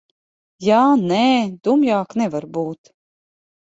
Jā, nē. Dumjāk nevar būt.